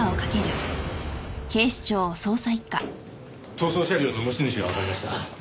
逃走車両の持ち主がわかりました。